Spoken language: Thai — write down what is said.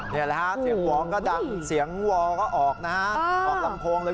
เห็นไหมฮะเหมือนก็ดังเสียงโวก็ออกนะฮะออกคล่ำคงเลย